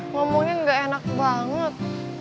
ngomongnya gak enak banget